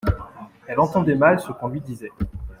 Elle entendait mal ce qu'on lui disait.